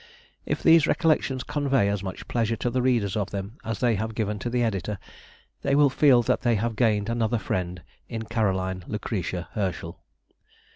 If these Recollections convey as much pleasure to the readers of them as they have given to the Editor, they will feel that they have gained another friend in Caroline Lucretia Herschel.